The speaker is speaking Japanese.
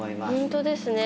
本当ですね。